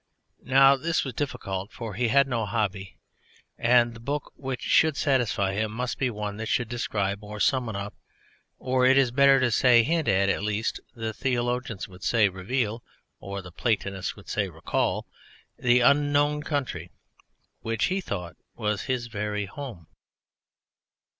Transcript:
Now this was difficult, for he had no hobby, and the book which should satisfy him must be one that should describe or summon up, or, it is better to say, hint at or, the theologians would say, reveal, or the Platonists would say recall the Unknown Country, which he thought was his very home.